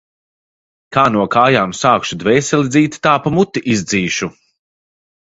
Kā no kājām sākšu dvēseli dzīt, tā pa muti izdzīšu.